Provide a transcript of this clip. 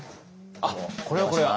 あっこれはこれは。